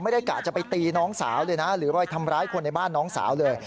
กะจะไปตีน้องสาวเลยนะหรือไปทำร้ายคนในบ้านน้องสาวเลย